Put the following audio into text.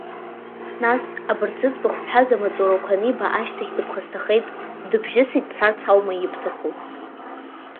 Нас, абарҭ зыӡбахә бҳәаз амаҵурақәа аниба ашьҭахь дыԥхасҭахеит, дыбжьысит бҳәарц аума ибҭаху?